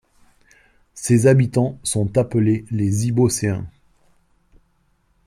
Ses habitants sont appelés les Iboscéens.